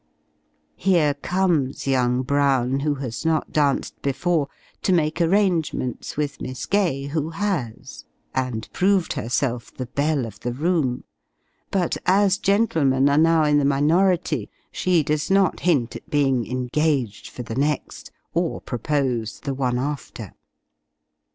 Here comes young Brown, who has not danced before, to make arrangements with Miss Gay, who has and proved herself the belle of the room; but, as gentlemen are now in the minority, she does not hint at being "engaged for the next," or propose "the one after."